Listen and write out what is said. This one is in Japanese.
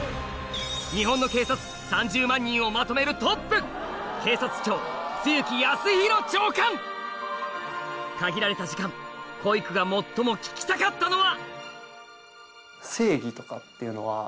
日本の警察３０万人をまとめるトップ限られた時間こいくが最も聞きたかったのは？